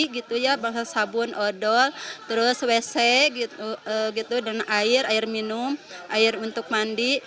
gitu ya bangsa sabun odol terus wc gitu dan air air minum air untuk mandi